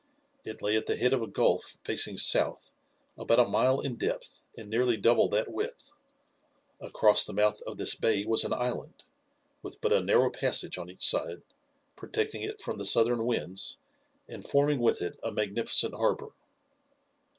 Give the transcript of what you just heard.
It lay at the head of a gulf facing south, about a mile in depth and nearly double that width. Across the mouth of this bay was an island, with but a narrow passage on each side, protecting it from the southern winds, and forming with it a magnificent harbour.